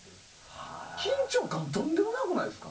緊張感とんでもなくないですか？